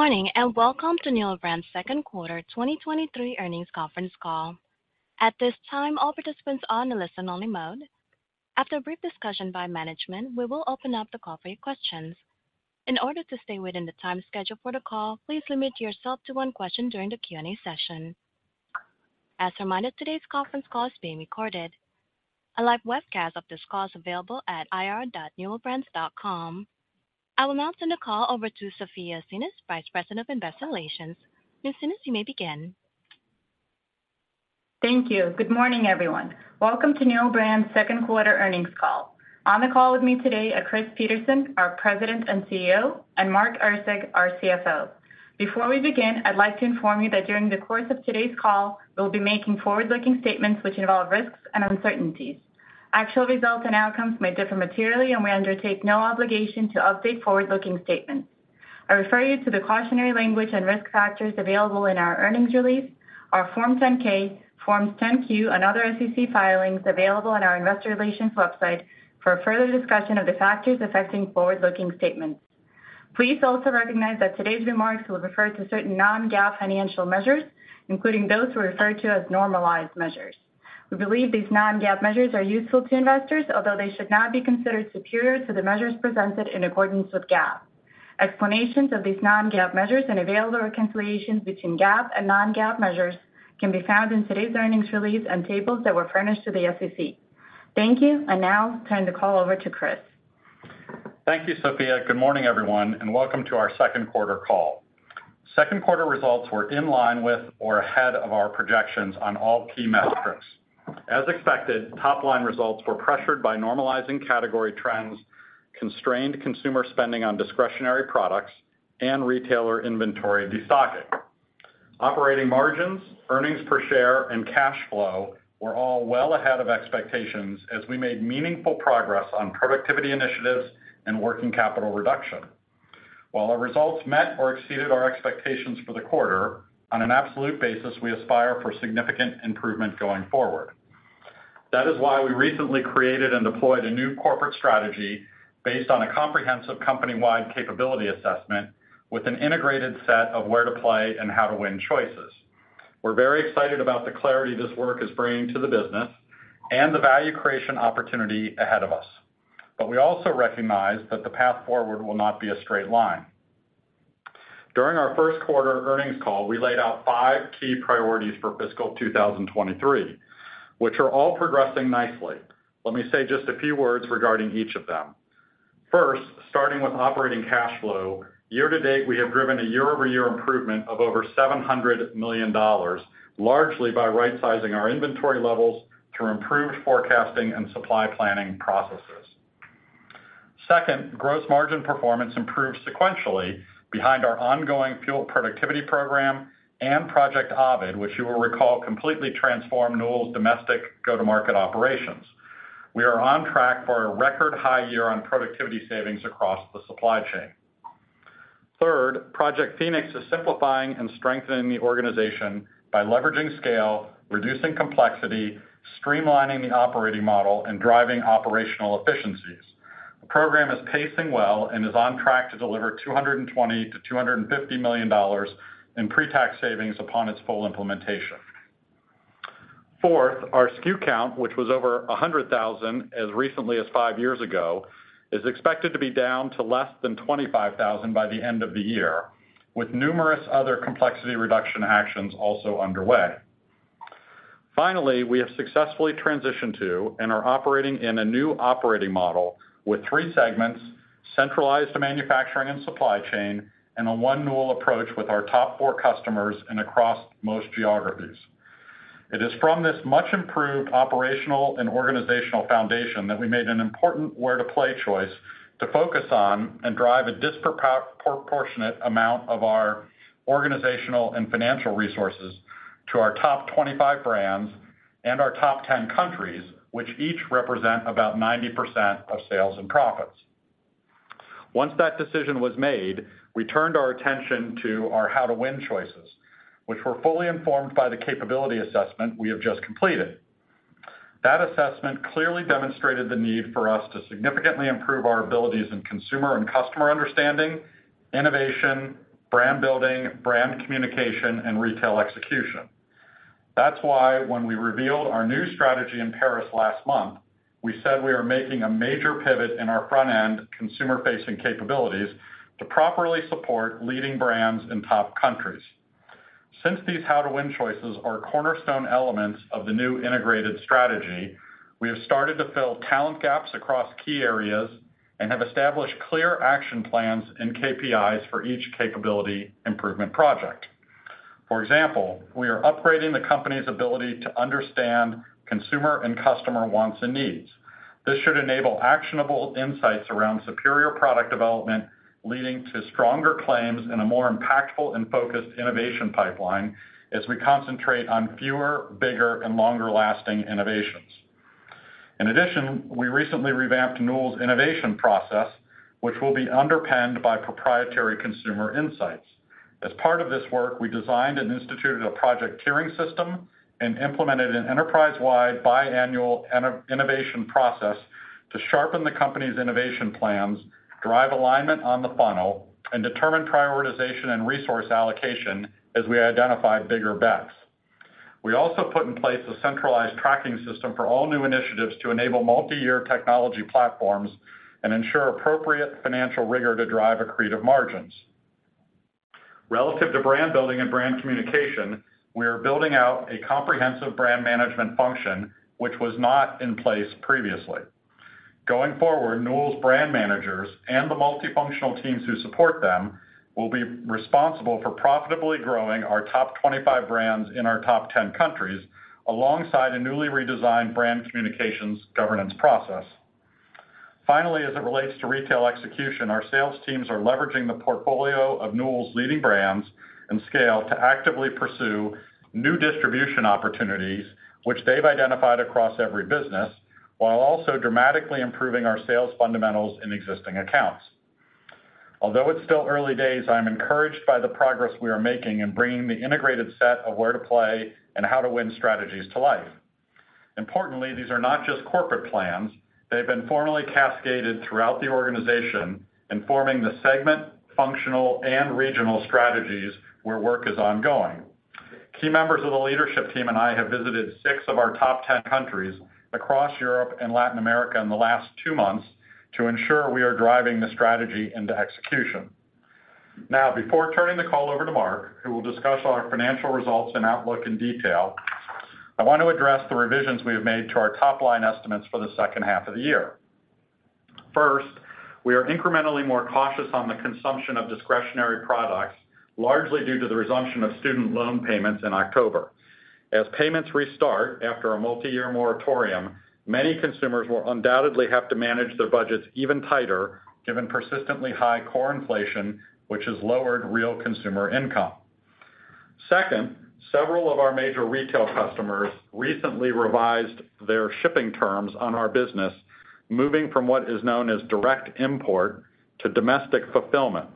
Morning. Welcome to Newell Brands' Q2 2023 earnings conference call. At this time, all participants are on a listen-only mode. After a brief discussion by management, we will open up the call for your questions. In order to stay within the time schedule for the call, please limit yourself to one question during the Q&A session. As a reminder, today's conference call is being recorded. A live webcast of this call is available at ir.newellbrands.com. I will now turn the call over to Sofya Tsinis, Vice President of Investor Relations. Ms. Tsinis, you may begin. Thank you. Good morning, everyone. Welcome to Newell Brands' Q2 earnings call. On the call with me today are Chris Peterson, our President and CEO, and Mark Erceg, our CFO. Before we begin, I'd like to inform you that during the course of today's call, we'll be making forward-looking statements which involve risks and uncertainties. Actual results and outcomes may differ materially, and we undertake no obligation to update forward-looking statements. I refer you to the cautionary language and risk factors available in our earnings release, our Form 10-K, Form 10-Q and other SEC filings available on our investor relations website for a further discussion of the factors affecting forward-looking statements. Please also recognize that today's remarks will refer to certain non-GAAP financial measures, including those referred to as normalized measures. We believe these non-GAAP measures are useful to investors, although they should not be considered superior to the measures presented in accordance with GAAP. Explanations of these non-GAAP measures and available reconciliations between GAAP and non-GAAP measures can be found in today's earnings release and tables that were furnished to the SEC. Thank you. Now I'll turn the call over to Chris. Thank you, Sofya. Good morning, everyone, welcome to our Q2 call. Q2 results were in line with or ahead of our projections on all key metrics. As expected, top-line results were pressured by normalizing category trends, constrained consumer spending on discretionary products, and retailer inventory destocking. Operating margins, earnings per share, and cash flow were all well ahead of expectations as we made meaningful progress on productivity initiatives and working capital reduction. While our results met or exceeded our expectations for the quarter, on an absolute basis, we aspire for significant improvement going forward. That is why we recently created and deployed a new corporate strategy based on a comprehensive company-wide capability assessment with an integrated set of where-to-play and how-to-win choices. We're very excited about the clarity this work is bringing to the business and the value creation opportunity ahead of us. We also recognize that the path forward will not be a straight line. During our Q1 earnings call, we laid out five key priorities for fiscal 2023, which are all progressing nicely. Let me say just a few words regarding each of them. First, starting with operating cash flow, year-to-date, we have driven a year-over-year improvement of over $700 million, largely by right-sizing our inventory levels through improved forecasting and supply planning processes. Second, gross margin performance improved sequentially behind our ongoing FUEL productivity program and Project Ovid, which you will recall, completely transformed Newell's domestic go-to-market operations. We are on track for a record high year on productivity savings across the supply chain. Third, Project Phoenix is simplifying and strengthening the organization by leveraging scale, reducing complexity, streamlining the operating model, and driving operational efficiencies. The program is pacing well and is on track to deliver $220 million-$250 million in pre-tax savings upon its full implementation. Fourth, our SKU count, which was over 100,000 as recently as five years ago, is expected to be down to less than 25,000 by the end of the year, with numerous other complexity reduction actions also underway. Finally, we have successfully transitioned to and are operating in a new operating model with three segments, centralized manufacturing and supply chain, and a One Newell approach with our top four customers and across most geographies. It is from this much improved operational and organizational foundation that we made an important where-to-play choice to focus on and drive a proportionate amount of our organizational and financial resources to our top 25 brands and our top 10 countries, which each represent about 90% of sales and profits. Once that decision was made, we turned our attention to our how-to-win choices, which were fully informed by the capability assessment we have just completed. That assessment clearly demonstrated the need for us to significantly improve our abilities in consumer and customer understanding, innovation, brand building, brand communication, and retail execution. That's why when we revealed our new strategy in Paris last month, we said we are making a major pivot in our front-end, consumer-facing capabilities to properly support leading brands in top countries. Since these how-to-win choices are cornerstone elements of the new integrated strategy, we have started to fill talent gaps across key areas and have established clear action plans and KPIs for each capability improvement project. For example, we are upgrading the company's ability to understand consumer and customer wants and needs. This should enable actionable insights around superior product development, leading to stronger claims and a more impactful and focused innovation pipeline as we concentrate on fewer, bigger, and longer-lasting innovations. In addition, we recently revamped Newell's innovation process, which will be underpinned by proprietary consumer insights. As part of this work, we designed and instituted a project clearing system and implemented an enterprise-wide biannual innovation process to sharpen the company's innovation plans, drive alignment on the funnel, and determine prioritization and resource allocation as we identify bigger bets. We also put in place a centralized tracking system for all new initiatives to enable multi-year technology platforms and ensure appropriate financial rigor to drive accretive margins. Relative to brand building and brand communication, we are building out a comprehensive brand management function, which was not in place previously. Going forward, Newell's brand managers and the multifunctional teams who support them, will be responsible for profitably growing our top 25 brands in our top 10 countries, alongside a newly redesigned brand communications governance process. Finally, as it relates to retail execution, our sales teams are leveraging the portfolio of Newell's leading brands and scale to actively pursue new distribution opportunities, which they've identified across every business, while also dramatically improving our sales fundamentals in existing accounts. Although it's still early days, I'm encouraged by the progress we are making in bringing the integrated set of where to play and how to win strategies to life. Importantly, these are not just corporate plans. They've been formally cascaded throughout the organization, informing the segment, functional, and regional strategies where work is ongoing. Key members of the leadership team and I have visited 6 of our top 10 countries across Europe and Latin America in the last 2 months to ensure we are driving the strategy into execution. Before turning the call over to Mark, who will discuss our financial results and outlook in detail, I want to address the revisions we have made to our top line estimates for the H2 of the year. We are incrementally more cautious on the consumption of discretionary products, largely due to the resumption of student loan payments in October. As payments restart after a multi-year moratorium, many consumers will undoubtedly have to manage their budgets even tighter, given persistently high core inflation, which has lowered real consumer income. Several of our major retail customers recently revised their shipping terms on our business, moving from what is known as direct import to domestic fulfillment.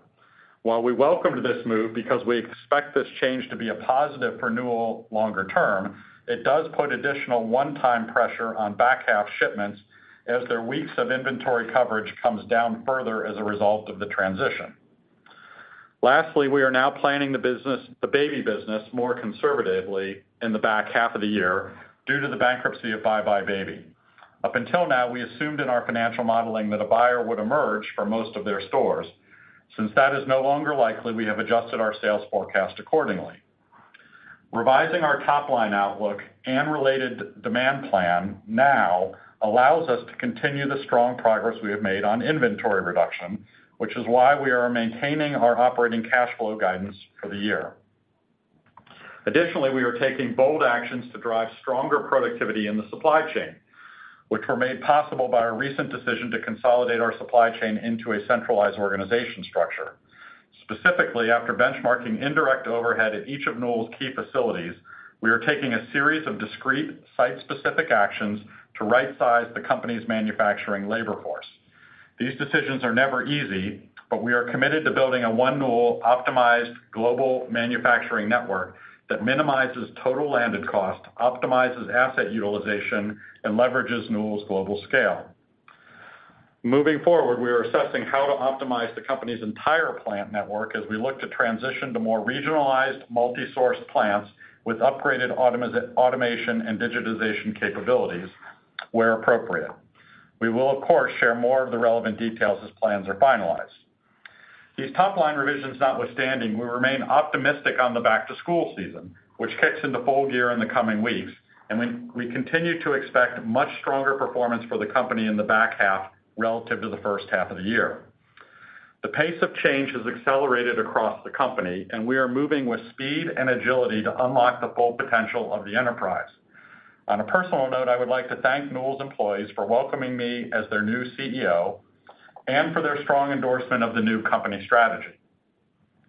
While we welcome this move because we expect this change to be a positive for Newell longer term, it does put additional one-time pressure on back half shipments as their weeks of inventory coverage comes down further as a result of the transition. We are now planning the baby business more conservatively in the back half of the year due to the bankruptcy of buybuy BABY. Up until now, we assumed in our financial modeling that a buyer would emerge for most of their stores. Since that is no longer likely, we have adjusted our sales forecast accordingly. Revising our top line outlook and related demand plan now allows us to continue the strong progress we have made on inventory reduction, which is why we are maintaining our operating cash flow guidance for the year. Additionally, we are taking bold actions to drive stronger productivity in the supply chain, which were made possible by our recent decision to consolidate our supply chain into a centralized organization structure. Specifically, after benchmarking indirect overhead at each of Newell's key facilities, we are taking a series of discrete, site-specific actions to right-size the company's manufacturing labor force. These decisions are never easy, but we are committed to building a One Newell optimized global manufacturing network that minimizes total landed cost, optimizes asset utilization, and leverages Newell's global scale. Moving forward, we are assessing how to optimize the company's entire plant network as we look to transition to more regionalized, multi-sourced plants with upgraded automation and digitization capabilities, where appropriate. We will, of course, share more of the relevant details as plans are finalized. These top-line revisions notwithstanding, we remain optimistic on the back-to-school season, which kicks into full gear in the coming weeks, and we continue to expect much stronger performance for the company in the back half relative to the H1 of the year. The pace of change has accelerated across the company, we are moving with speed and agility to unlock the full potential of the enterprise. On a personal note, I would like to thank Newell Brands' employees for welcoming me as their new CEO and for their strong endorsement of the new company strategy.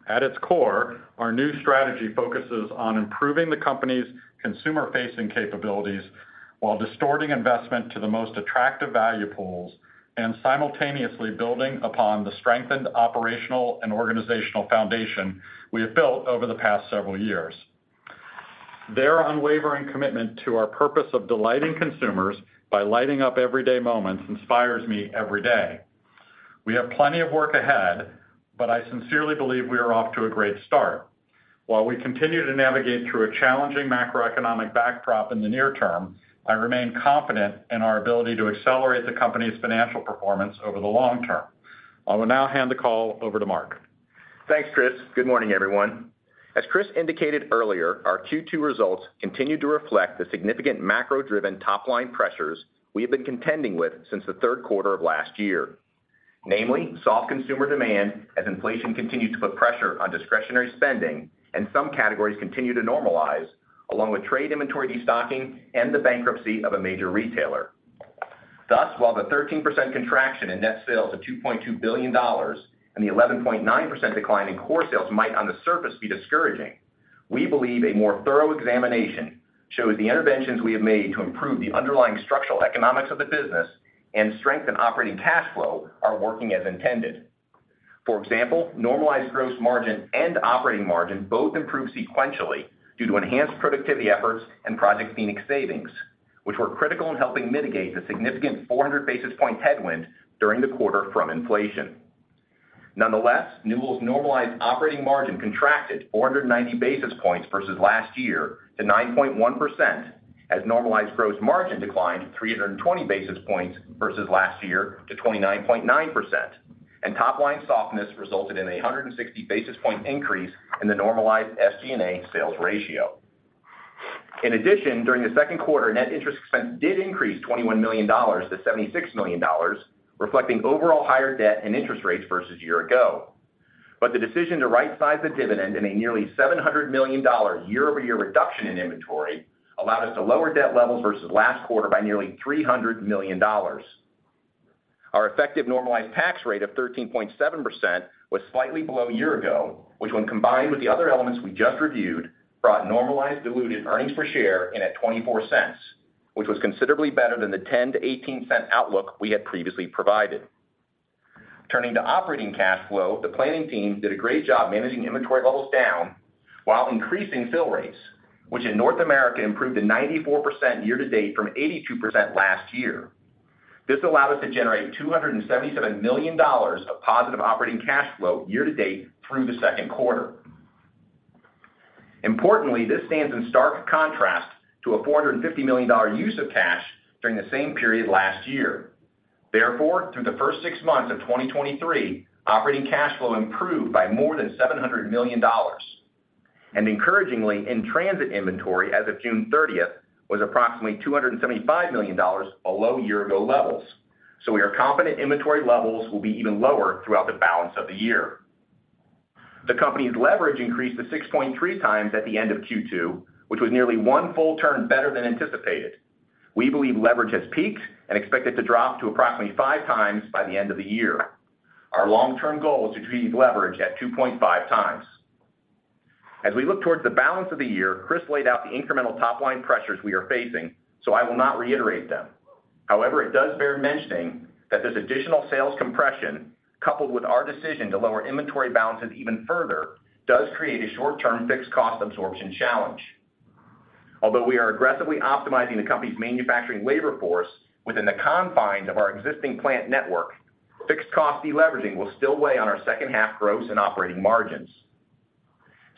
At its core, our new strategy focuses on improving the company's consumer-facing capabilities while distorting investment to the most attractive value pools and simultaneously building upon the strengthened operational and organizational foundation we have built over the past several years. Their unwavering commitment to our purpose of delighting consumers by lighting up everyday moments inspires me every day. We have plenty of work ahead, but I sincerely believe we are off to a great start. While we continue to navigate through a challenging macroeconomic backdrop in the near term, I remain confident in our ability to accelerate the company's financial performance over the long term. I will now hand the call over to Mark Erceg. Thanks, Chris. Good morning, everyone. As Chris indicated earlier, our Q2 results continued to reflect the significant macro-driven top-line pressures we have been contending with since the Q3 of last year. Namely, soft consumer demand, as inflation continues to put pressure on discretionary spending and some categories continue to normalize, along with trade inventory destocking and the bankruptcy of a major retailer. Thus, while the 13% contraction in net sales of $2.2 billion and the 11.9% decline in core sales might, on the surface, be discouraging, we believe a more thorough examination shows the interventions we have made to improve the underlying structural economics of the business and strengthen operating cash flow are working as intended. For example, normalized gross margin and operating margin both improved sequentially due to enhanced productivity efforts and Project Phoenix savings, which were critical in helping mitigate the significant 400 basis point headwind during the quarter from inflation. Nonetheless, Newell's normalized operating margin contracted 490 basis points versus last year to 9.1%, as normalized gross margin declined 320 basis points versus last year to 29.9%, and top line softness resulted in a 160 basis point increase in the normalized SG&A sales ratio. In addition, during the Q2, net interest expense did increase $21 million to $76 million, reflecting overall higher debt and interest rates versus year ago. The decision to rightsize the dividend in a nearly $700 million year-over-year reduction in inventory allowed us to lower debt levels versus last quarter by nearly $300 million. Our effective normalized tax rate of 13.7% was slightly below a year ago, which, when combined with the other elements we just reviewed, brought normalized diluted earnings per share in at $0.24, which was considerably better than the $0.10-$0.18 outlook we had previously provided. Turning to operating cash flow, the planning team did a great job managing inventory levels down while increasing fill rates, which in North America improved to 94% year-to-date from 82% last year. This allowed us to generate $277 million of positive operating cash flow year-to-date through the Q2. Importantly, this stands in stark contrast to a $450 million use of cash during the same period last year. Through the first six months of 2023, operating cash flow improved by more than $700 million, and encouragingly, in-transit inventory as of June 30th was approximately $275 million below year-ago levels, so we are confident inventory levels will be even lower throughout the balance of the year. The company's leverage increased to 6.3 times at the end of Q2, which was nearly one full turn better than anticipated. We believe leverage has peaked and expect it to drop to approximately five times by the end of the year. Our long-term goal is to achieve leverage at 2.5 times. As we look towards the balance of the year, Chris laid out the incremental top-line pressures we are facing, so I will not reiterate them. However, it does bear mentioning that this additional sales compression, coupled with our decision to lower inventory balances even further, does create a short-term fixed cost absorption challenge. Although we are aggressively optimizing the company's manufacturing labor force within the confines of our existing plant network, fixed cost deleveraging will still weigh on our H2 gross and operating margins.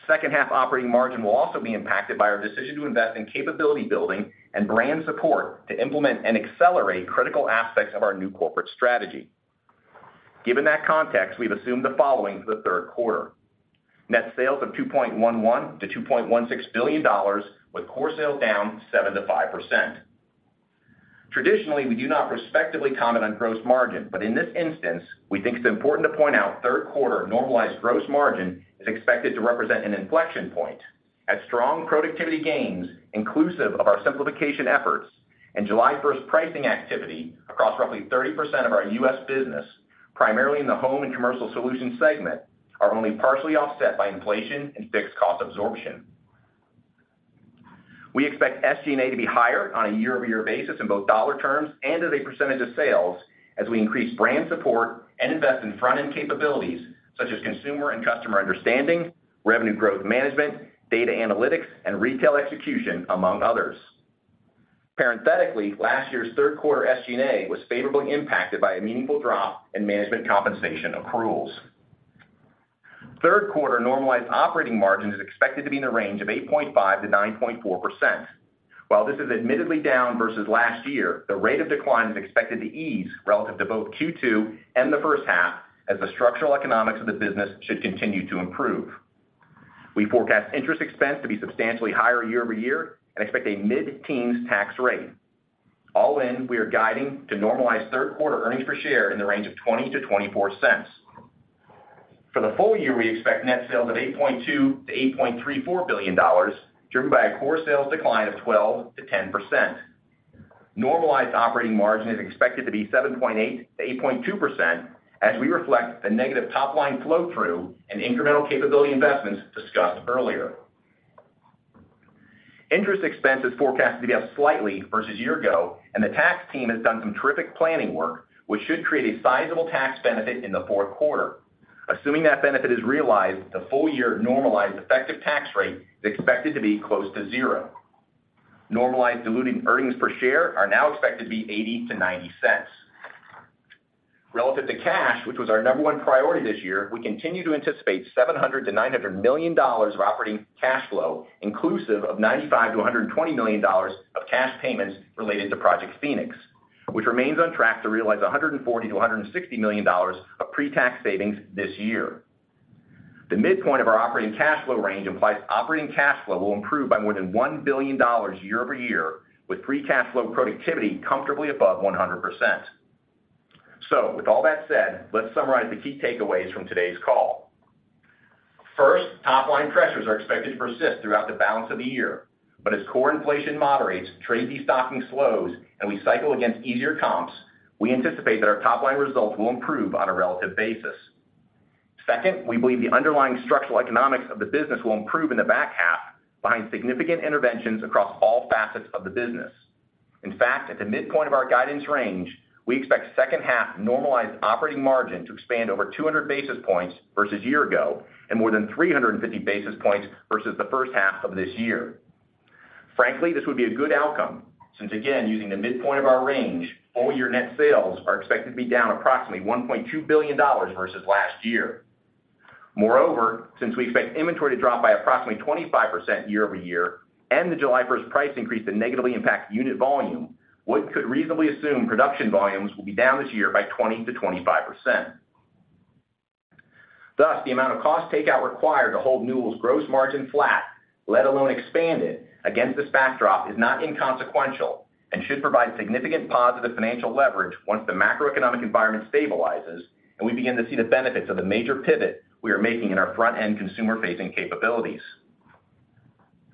H2 operating margin will also be impacted by our decision to invest in capability building and brand support to implement and accelerate critical aspects of our new corporate strategy. Given that context, we've assumed the following for the Q3: Net sales of $2.11 billion-$2.16 billion, with core sales down 7%-5%. Traditionally, we do not prospectively comment on gross margin, but in this instance, we think it's important to point out Q3 normalized gross margin is expected to represent an inflection point as strong productivity gains, inclusive of our simplification efforts and 1st July pricing activity across roughly 30% of our U.S. business, primarily in the Home and Commercial Solutions segment, are only partially offset by inflation and fixed cost absorption. We expect SG&A to be higher on a year-over-year basis in both dollar terms and as a % of sales as we increase brand support and invest in front-end capabilities such as consumer and customer understanding, revenue growth management, data analytics, and retail execution, among others. Parenthetically, last year's 3rd quarter SG&A was favorably impacted by a meaningful drop in management compensation accruals. Q3 normalized operating margin is expected to be in the range of 8.5%-9.4%. While this is admittedly down versus last year, the rate of decline is expected to ease relative to both Q2 and the H1, as the structural economics of the business should continue to improve. We forecast interest expense to be substantially higher year-over-year and expect a mid-teens tax rate. All in, we are guiding to normalize Q3 earnings per share in the range of $0.20-$0.24. For the full year, we expect net sales of $8.2 billion-$8.34 billion, driven by a core sales decline of 12%-10%. Normalized operating margin is expected to be 7.8%-8.2% as we reflect the negative top-line flow-through and incremental capability investments discussed earlier. Interest expense is forecasted to be up slightly versus year ago. The tax team has done some terrific planning work, which should create a sizable tax benefit in the Q4. Assuming that benefit is realized, the full year normalized effective tax rate is expected to be close to 0. Normalized diluted earnings per share are now expected to be $0.80-$0.90. Relative to cash, which was our number 1 priority this year, we continue to anticipate $700 million-$900 million of operating cash flow, inclusive of $95 million-$120 million of cash payments related to Project Phoenix, which remains on track to realize $140 million-$160 million of pre-tax savings this year. The midpoint of our operating cash flow range implies operating cash flow will improve by more than $1 billion year-over-year, with free cash flow productivity comfortably above 100%. With all that said, let's summarize the key takeaways from today's call. First, top-line pressures are expected to persist throughout the balance of the year, as core inflation moderates, trade destocking slows, and we cycle against easier comps, we anticipate that our top-line results will improve on a relative basis. Second, we believe the underlying structural economics of the business will improve in the back half behind significant interventions across all facets of the business. In fact, at the midpoint of our guidance range, we expect H2 normalized operating margin to expand over 200 basis points versus year-ago and more than 350 basis points versus the H1 of this year. Frankly, this would be a good outcome, since again, using the midpoint of our range, all year net sales are expected to be down approximately $1.2 billion versus last year. Moreover, since we expect inventory to drop by approximately 25% year-over-year, and the July 1st 2023 price increase to negatively impact unit volume, one could reasonably assume production volumes will be down this year by 20%-25%. Thus, the amount of cost takeout required to hold Newell's gross margin flat, let alone expand it, against this backdrop, is not inconsequential and should provide significant positive financial leverage once the macroeconomic environment stabilizes and we begin to see the benefits of the major pivot we are making in our front-end consumer-facing capabilities.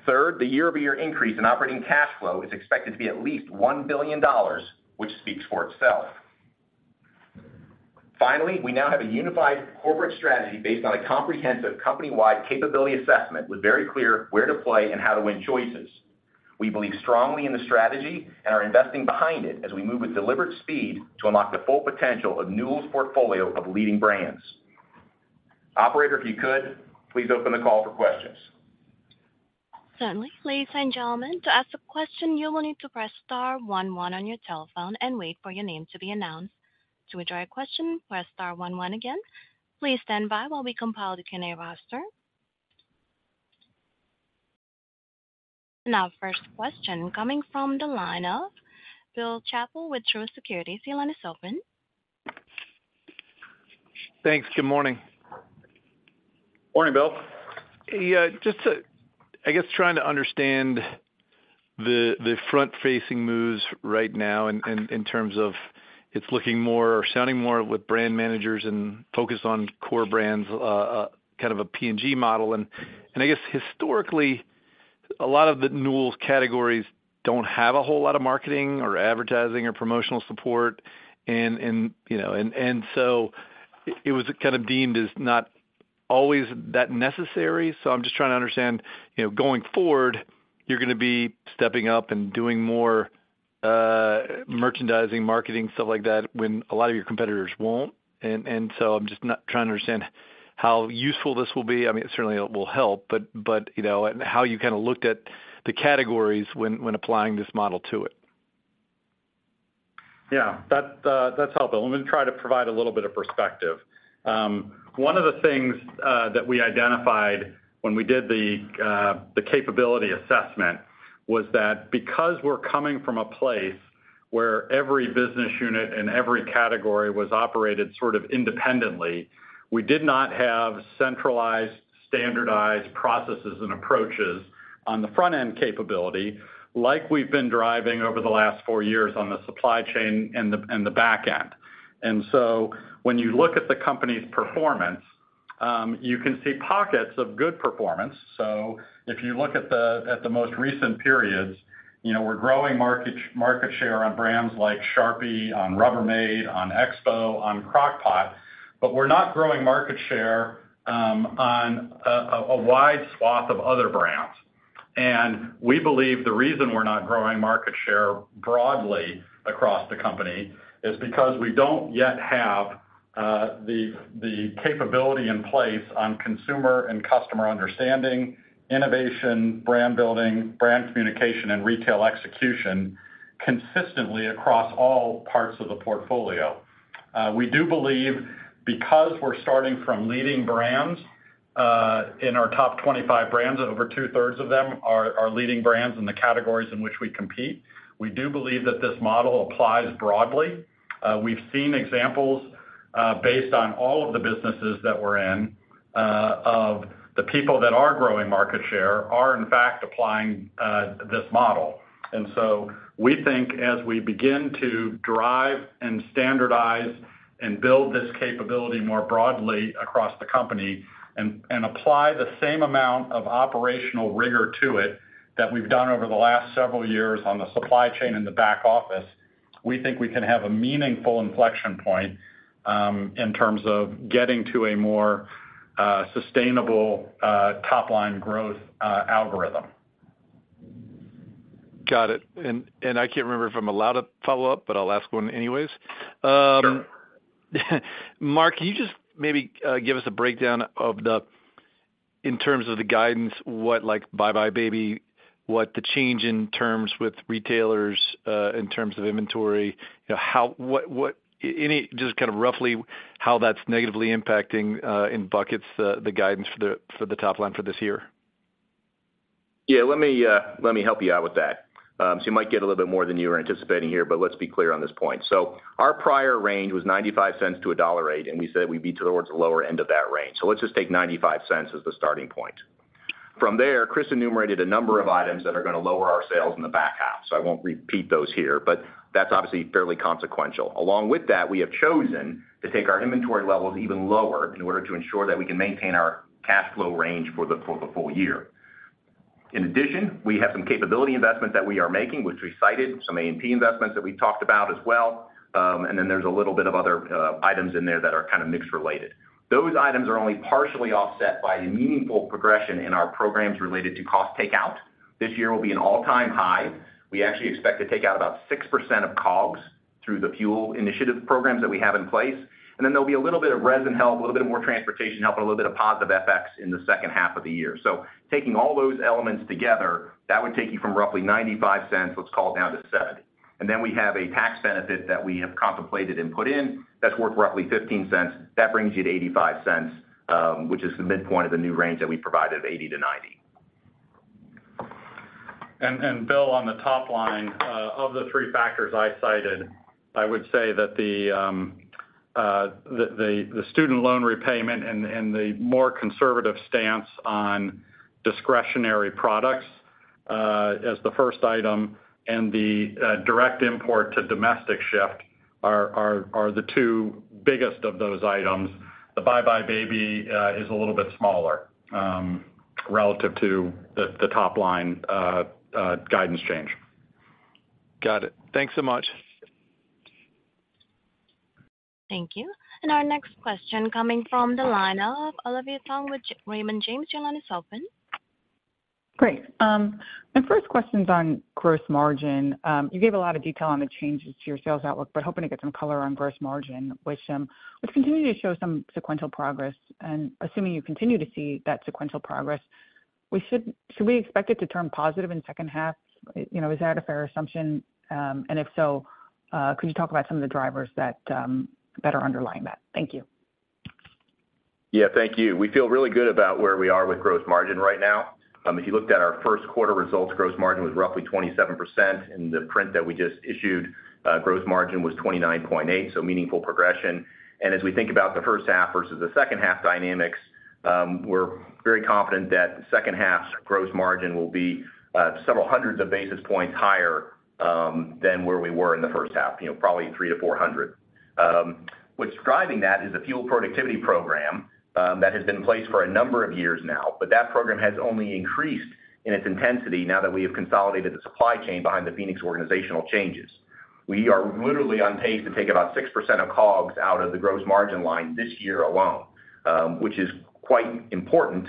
Third, the year-over-year increase in operating cash flow is expected to be at least $1 billion, which speaks for itself. Finally, we now have a unified corporate strategy based on a comprehensive company-wide capability assessment, with very clear where to play and how to win choices. We believe strongly in the strategy and are investing behind it as we move with deliberate speed to unlock the full potential of Newell's portfolio of leading brands. Operator, if you could, please open the call for questions. Certainly, Ladies and gentlemen, to ask a question, you will need to press star one one on your telephone and wait for your name to be announced. To withdraw your question, press star one one again. Please stand by while we compile the Q&A roster. First question coming from the line of Bill Chappell with Truist Securities. Your line is open. Thanks. Good morning. Morning, Bill. Just to I guess trying to understand the, the front-facing moves right now in, in, in terms of it's looking more or sounding more with brand managers and focused on core brands, kind of a P&G model. I guess historically, a lot of the Newell Brands' categories don't have a whole lot of marketing or advertising or promotional support, you know, so it was kind of deemed as not always that necessary. I'm just trying to understand, you know, going forward, you're gonna be stepping up and doing more merchandising, marketing, stuff like that, when a lot of your competitors won't. I'm just trying to understand how useful this will be. I mean, it certainly will help, but, but, you know, and how you kind of looked at the categories when, when applying this model to it. Yeah, that's helpful. Let me try to provide a little bit of perspective. One of the things that we identified when we did the capability assessment was that because we're coming from a place where every business unit and every category was operated sort of independently, we did not have centralized, standardized processes and approaches on the front-end capability, like we've been driving over the last four years on the supply chain and the, and the back end. So when you look at the company's performance, you can see pockets of good performance. So if you look at the, at the most recent periods, you know, we're growing market, market share on brands like Sharpie, on Rubbermaid, on EXPO, on Crock-Pot, but we're not growing market share on a wide swath of other brands We believe the reason we're not growing market share broadly across the company is because we don't yet have the capability in place on consumer and customer understanding, innovation, brand building, brand communication, and retail execution consistently across all parts of the portfolio. We do believe, because we're starting from leading brands, in our top 25 brands, over two-thirds of them are leading brands in the categories in which we compete. We do believe that this model applies broadly. We've seen examples, based on all of the businesses that we're in, of the people that are growing market share, are in fact applying this model. We think as we begin to drive and standardize and build this capability more broadly across the company and, and apply the same amount of operational rigor to it that we've done over the last several years on the supply chain in the back office, we think we can have a meaningful inflection point in terms of getting to a more sustainable top line growth algorithm. Got it. I can't remember if I'm allowed to follow up, but I'll ask one anyways. Sure. Mark, can you just maybe, give us a breakdown of the, in terms of the guidance, what, like, buybuy BABY, what the change in terms with retailers, in terms of inventory, you know, what, what, any just kind of roughly how that's negatively impacting, in buckets, the, the guidance for the, for the top line for this year? Yeah, let me, let me help you out with that. You might get a little bit more than you were anticipating here, but let's be clear on this point. Our prior range was $0.95-$1.00 rate, and we said we'd be towards the lower end of that range. From there, Chris enumerated a number of items that are gonna lower our sales in the back half, so I won't repeat those here, but that's obviously fairly consequential. Along with that, we have chosen to take our inventory levels even lower in order to ensure that we can maintain our cash flow range for the full year. In addition, we have some capability investments that we are making, which we cited, some A&P investments that we talked about as well. There's a little bit of other items in there that are kind of mixed related. Those items are only partially offset by a meaningful progression in our programs related to cost takeout. This year will be an all-time high. We actually expect to take out about 6% of COGS through the FUEL initiative programs that we have in place. There'll be a little bit of resin and help, a little bit more transportation help, and a little bit of positive FX in the H2 of the year. Taking all those elements together, that would take you from roughly $0.95, let's call it, down to $0.70. We have a tax benefit that we have contemplated and put in that's worth roughly $0.15. That brings you to $0.85, which is the midpoint of the new range that we provided of $0.80-$0.90. Bill, on the top line, of the three factors I cited, I would say that the, the student loan repayment and, and the more conservative stance on discretionary products, as the first item, and the direct import to domestic shift are, are, are the two biggest of those items. The buybuy BABY is a little bit smaller, relative to the top line guidance change. Got it. Thanks so much. Thank you. Our next question coming from the line of Olivia Tong with Raymond James. Your line is open. Great. My first question's on gross margin. You gave a lot of detail on the changes to your sales outlook, but hoping to get some color on gross margin, which continued to show some sequential progress. Assuming you continue to see that sequential progress, should we expect it to turn positive in H2? You know, is that a fair assumption? If so, could you talk about some of the drivers that are underlying that? Thank you. Yeah, thank you. We feel really good about where we are with gross margin right now. If you looked at our Q1 results, gross margin was roughly 27%, and the print that we just issued, gross margin was 29.8%, so meaningful progression. As we think about the H1 versus the H2 dynamics, we're very confident that H2's gross margin will be several hundred basis points higher than where we were in the H1, you know, probably 300-400. What's driving that is a FUEL productivity program that has been in place for a number of years now. That program has only increased in its intensity now that we have consolidated the supply chain behind the Phoenix organizational changes. We are literally on pace to take about 6% of COGS out of the gross margin line this year alone, which is quite important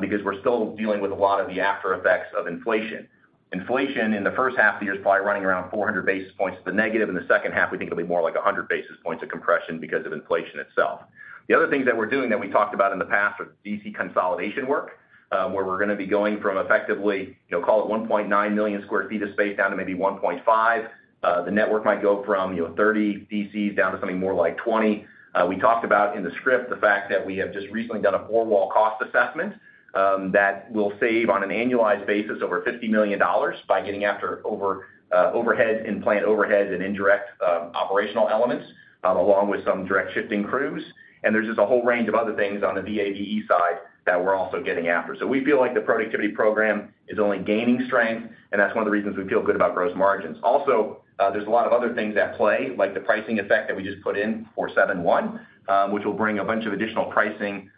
because we're still dealing with a lot of the after effects of inflation. Inflation in the H1 of the year is probably running around 400 basis points to the negative. In the H2, we think it'll be more like 100 basis points of compression because of inflation itself. The other things that we're doing that we talked about in the past are DC consolidation work, where we're gonna be going from effectively, you know, call it 1.9 million sq ft of space down to maybe 1.5 million sq ft. The network might go from, you know, 30 DCs down to something more like 20. We talked about in the script the fact that we have just recently done a four-wall cost assessment that will save, on an annualized basis, over $50 million by getting after overhead and plant overhead and indirect operational elements along with some direct shifting crews. There's just a whole range of other things on the VA/VE side that we're also getting after. We feel like the productivity program is only gaining strength, and that's one of the reasons we feel good about gross margins. Also, there's a lot of other things at play, like the pricing effect that we just put in for seven-one, which will bring a bunch of additional pricing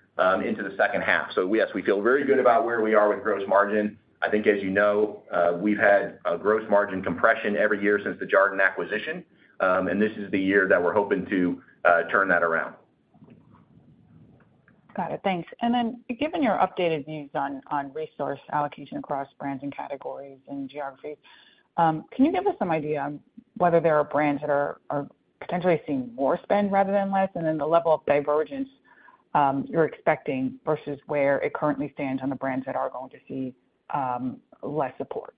into the H2. Yes, we feel very good about where we are with gross margin. I think, as you know, we've had a gross margin compression every year since the Jarden acquisition, and this is the year that we're hoping to turn that around. Got it. Thanks. Then, given your updated views on, on resource allocation across brands and categories and geographies, can you give us some idea on whether there are brands that are, are potentially seeing more spend rather than less, and then the level of divergence, you're expecting versus where it currently stands on the brands that are going to see, less support?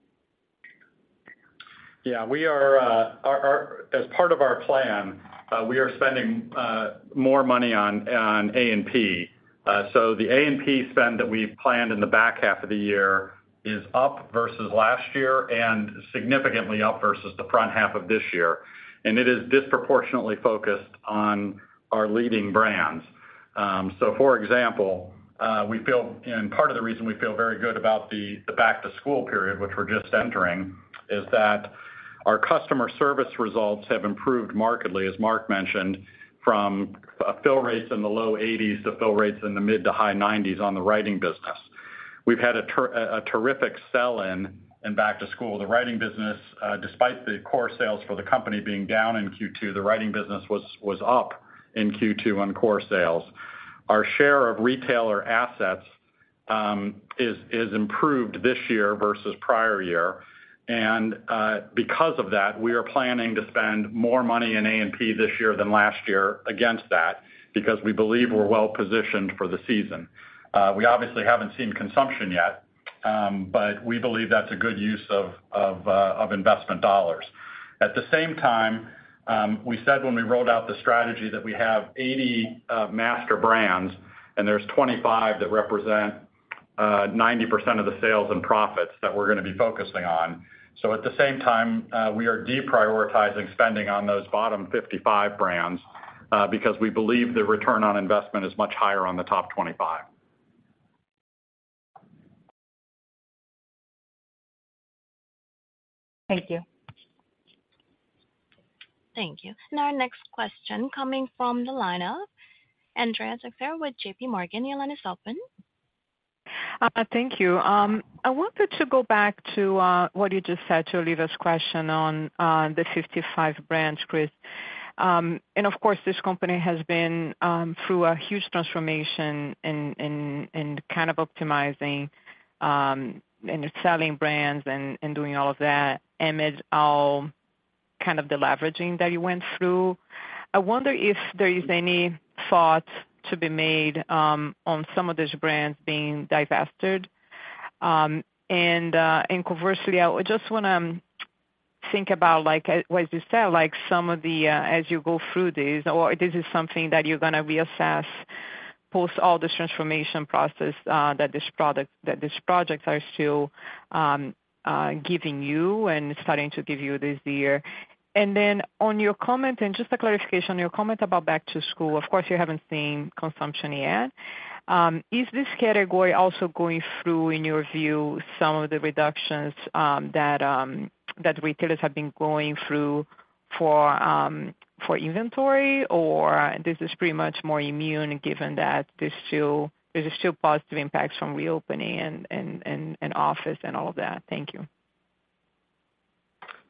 Yeah, we are, as part of our plan, we are spending more money on A&P. The A&P spend that we've planned in the back half of the year is up versus last year and significantly up versus the front half of this year, and it is disproportionately focused on our leading brands. For example, we feel, and part of the reason we feel very good about the back-to-school period, which we're just entering, is that our customer service results have improved markedly, as Mark mentioned, from fill rates in the low 80s% to fill rates in the mid-to-high 90s% on the writing business. We've had a terrific sell-in in back to school. The writing business, despite the core sales for the company being down in Q2, the writing business was, was up in Q2 on core sales. Our share of retailer assets, is, is improved this year versus prior year, and because of that, we are planning to spend more money in A&P this year than last year against that, because we believe we're well positioned for the season. We obviously haven't seen consumption yet, but we believe that's a good use of, of, of investment dollars. At the same time, we said when we rolled out the strategy that we have 80 master brands, and there's 25 that represent 90% of the sales and profits that we're gonna be focusing on. At the same time, we are deprioritizing spending on those bottom 55 brands, because we believe the return on investment is much higher on the top 25. Thank you. Thank you. Our next question coming from the line of Andrea Teixeira with JP Morgan. Your line is open. Thank you. I wanted to go back to what you just said to Olivia's question on, on the 55 brands, Chris. Of course, this company has been through a huge transformation in kind of optimizing and selling brands and doing all of that amid all kind of deleveraging that you went through. I wonder if there is any thought to be made on some of these brands being divested? Conversely, I just want to think about, like, as you said, some of the, as you go through this, or this is something that you're going to reassess, post all this transformation process, that this product-that these projects are still giving you and starting to give you this year. On your comment, just a clarification on your comment about back to school. Of course, you haven't seen consumption yet. Is this category also going through, in your view, some of the reductions, that, that retailers have been going through for, for inventory, or this is pretty much more immune, given that there's still, there's still positive impacts from reopening and, and, and, and office and all of that? Thank you.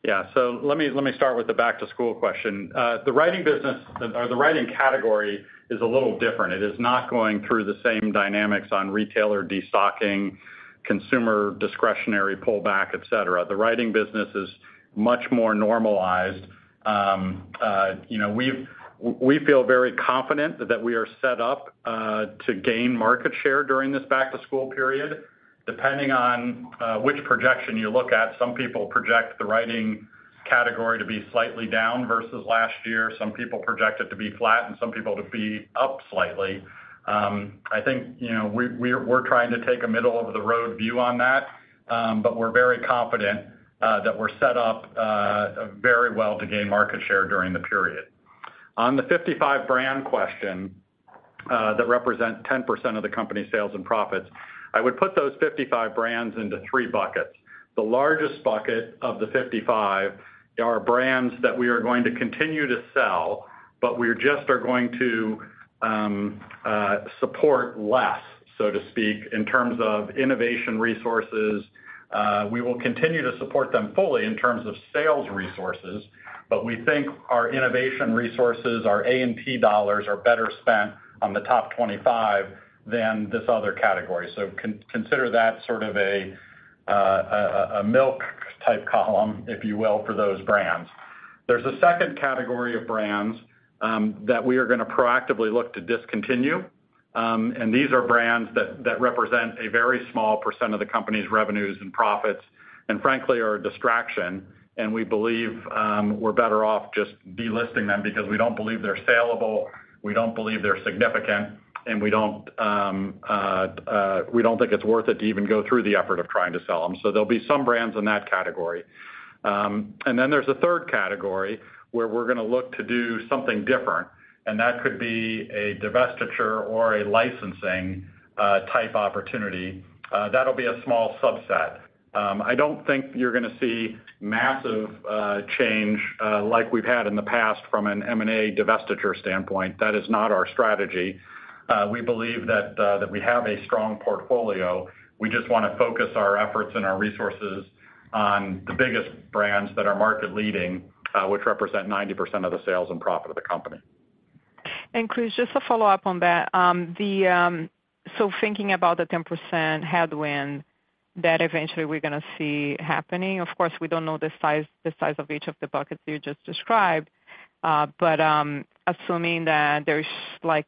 Yeah. So let me, let me start with the back to school question. The writing business, or the writing category is a little different. It is not going through the same dynamics on retailer de-stocking, consumer discretionary pullback, et cetera. The writing business is much more normalized. you know, we feel very confident that we are set up to gain market share during this back to school period, depending on which projection you look at. Some people project the writing category to be slightly down versus last year. Some people project it to be flat and some people to be up slightly. I think, you know, we, we're trying to take a middle-of-the-road view on that, but we're very confident that we're set up very well to gain market share during the period. On the 55 brand question, that represent 10% of the company's sales and profits, I would put those 55 brands into 3 buckets. The largest bucket of the 55 are brands that we are going to continue to sell, but we just are going to support less, so to speak, in terms of innovation resources. We will continue to support them fully in terms of sales resources, but we think our innovation resources, our A&P dollars, are better spent on the top 25 than this other category. consider that sort of a milk type column, if you will, for those brands. There's a second category of brands that we are going to proactively look to discontinue, and these are brands that represent a very small percent of the company's revenues and profits, and frankly, are a distraction, and we believe, we're better off just delisting them because we don't believe they're salable, we don't believe they're significant, and we don't, we don't think it's worth it to even go through the effort of trying to sell them. There'll be some brands in that category. There's a third category where we're going to look to do something different, and that could be a divestiture or a licensing type opportunity. That'll be a small subset. I don't think you're going to see massive change like we've had in the past from an M&A divestiture standpoint. That is not our strategy. We believe that we have a strong portfolio. We just want to focus our efforts and our resources on the biggest brands that are market leading, which represent 90% of the sales and profit of the company. Chris, just to follow up on that. Thinking about the 10% headwind that eventually we're going to see happening, of course, we don't know the size, the size of each of the buckets you just described. Assuming that there's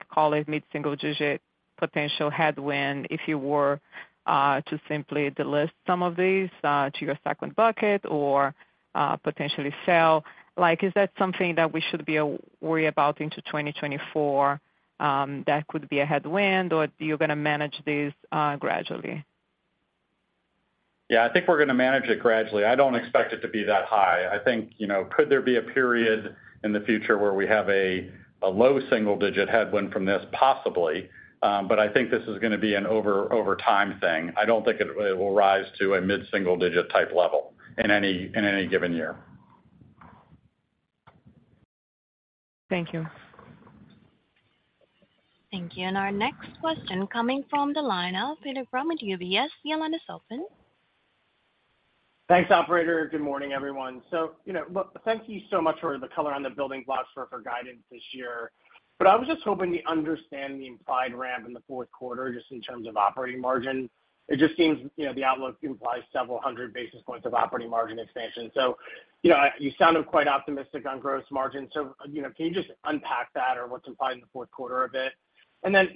call it, mid-single digit potential headwind, if you were to simply delist some of these to your second bucket or potentially sell, is that something that we should be worry about into 2024 that could be a headwind, or you're going to manage this gradually? Yeah, I think we're going to manage it gradually. I don't expect it to be that high. I think, you know, could there be a period in the future where we have a low single-digit headwind from this? Possibly, but I think this is going to be an over time thing. I don't think it will rise to a mid-single-digit type level in any, in any given year. Thank you. Thank you. Our next question coming from the line of Peter Grom with UBS. Your line is open. Thanks, operator. Good morning, everyone. You know, look, thank you so much for the color on the building blocks for, for guidance this year. I was just hoping to understand the implied ramp in the Q4, just in terms of operating margin. It just seems, you know, the outlook implies several hundred basis points of operating margin expansion. You know, you sound quite optimistic on gross margin. You know, can you just unpack that or what's implied in the Q4 a bit? Then,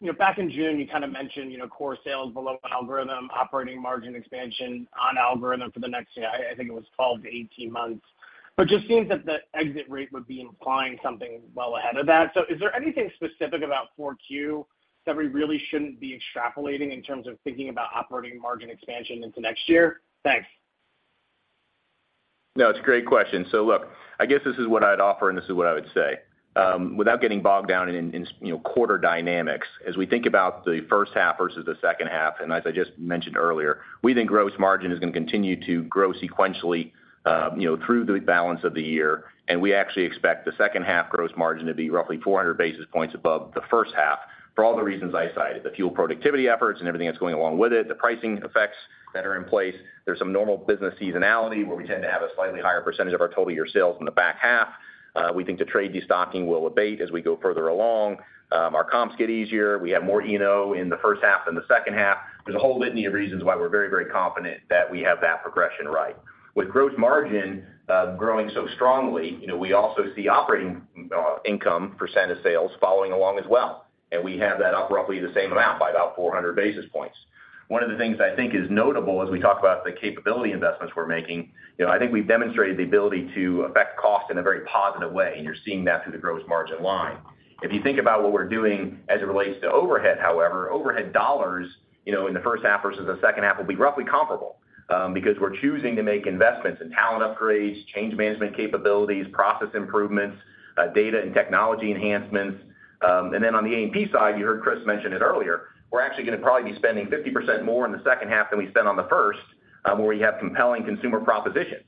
you know, back in June, you kind of mentioned, you know, core sales below an algorithm, operating margin expansion on algorithm for the next year. I, I think it was 12-18 months. Just seems that the exit rate would be implying something well ahead of that. Is there anything specific about Q4 that we really shouldn't be extrapolating in terms of thinking about operating margin expansion into next year? Thanks. No, it's a great question. Look, I guess this is what I'd offer, and this is what I would say. Without getting bogged down in, in, you know, quarter dynamics, as we think about the H1 versus the H2, and as I just mentioned earlier, we think gross margin is going to continue to grow sequentially, you know, through the balance of the year, and we actually expect the H2 gross margin to be roughly 400 basis points above the H1 for all the reasons I cited. The FUEL productivity efforts and everything that's going along with it, the pricing effects that are in place. There's some normal business seasonality, where we tend to have a slightly higher percentage of our total year sales in the back half. we think the trade destocking will abate as we go further along. Our comps get easier. We have more E&O in the H1 than the H2. There's a whole litany of reasons why we're very, very confident that we have that progression right. With growth margin growing so strongly, you know, we also see operating income percent of sales following along as well, and we have that up roughly the same amount by about 400 basis points. One of the things I think is notable as we talk about the capability investments we're making, you know, I think we've demonstrated the ability to affect cost in a very positive way, and you're seeing that through the gross margin line. If you think about what we're doing as it relates to overhead, however, overhead dollars, you know, in the H1 versus the H2, will be roughly comparable, because we're choosing to make investments in talent upgrades, change management capabilities, process improvements, data and technology enhancements. Then on the A&P side, you heard Chris mention it earlier, we're actually gonna probably be spending 50% more in the H2 than we spent on the first, where we have compelling consumer propositions.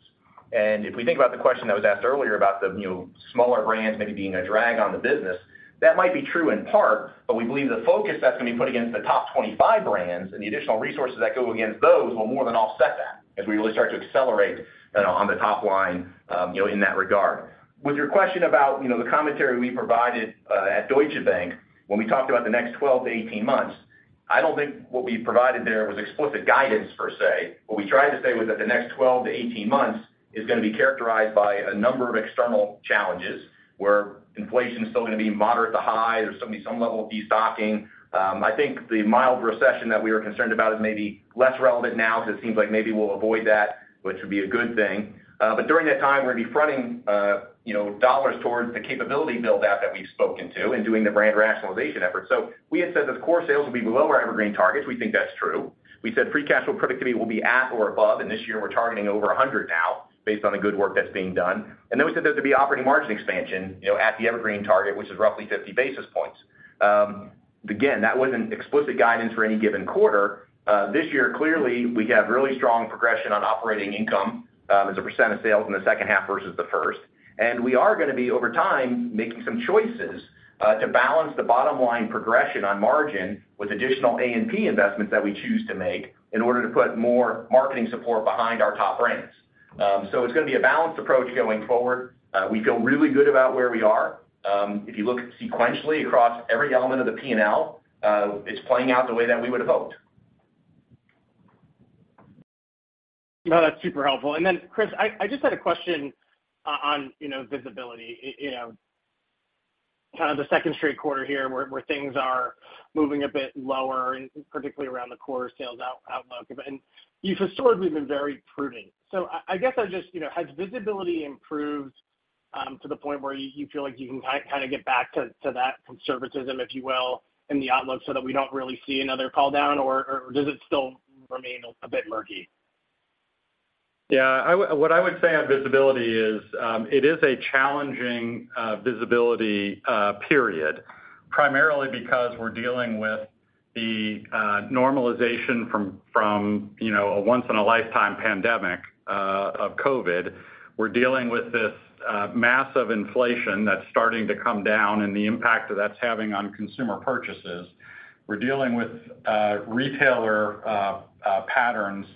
If we think about the question that was asked earlier about the, you know, smaller brands maybe being a drag on the business, that might be true in part, but we believe the focus that's going to be put against the top 25 brands and the additional resources that go against those will more than offset that as we really start to accelerate, you know, on the top line, you know, in that regard. With your question about, you know, the commentary we provided at Deutsche Bank, when we talked about the next 12 to 18 months, I don't think what we provided there was explicit guidance per se. What we tried to say was that the next 12 to 18 months is gonna be characterized by a number of external challenges, where inflation is still gonna be moderate to high. There's some level of destocking. I think the mild recession that we were concerned about is maybe less relevant now, because it seems like maybe we'll avoid that, which would be a good thing. During that time, we're gonna be fronting, you know, dollars towards the capability build out that we've spoken to and doing the brand rationalization effort. We had said that the core sales will be below our Evergreen targets. We think that's true. We said free cash flow predictability will be at or above. This year we're targeting over $100 now based on the good work that's being done. We said there'd be operating margin expansion, you know, at the evergreen target, which is roughly 50 basis points. Again, that wasn't explicit guidance for any given quarter. This year, clearly, we have really strong progression on operating income, as a percent of sales in the H2 versus the first. And we are gonna be, over time, making some choices, to balance the bottom line progression on margin with additional A&P investments that we choose to make in order to put more marketing support behind our top brands. So it's gonna be a balanced approach going forward. We feel really good about where we are. If you look sequentially across every element of the P&L, it's playing out the way that we would have hoped. No, that's super helpful. Then, Chris, I, I just had a question on, you know, visibility. You know, kind of the second straight quarter here, where, where things are moving a bit lower, and particularly around the quarter sales outlook. You've historically been very prudent. I, I guess I just, you know, has visibility improved, to the point where you, you feel like you can kind of get back to, to that conservatism, if you will, in the outlook so that we don't really see another call down, or, or does it still remain a bit murky? Yeah, I would... What I would say on visibility is, it is a challenging visibility period, primarily because we're dealing with the normalization from, from, you know, a once-in-a-lifetime pandemic of COVID-19. We're dealing with this massive inflation that's starting to come down and the impact that that's having on consumer purchases. We're dealing with retailer patterns